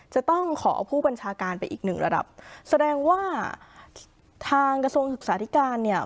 จะต้องขอผู้บัญชาการไปอีกหนึ่งระดับแสดงว่าทางกระทรวงศึกษาธิการเนี่ย